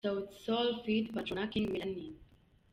Sauti Sol Feat Patoranking – Melaning.